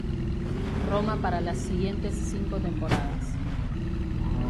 Roma para las siguientes cinco temporadas.